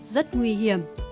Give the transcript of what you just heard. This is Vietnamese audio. rất nguy hiểm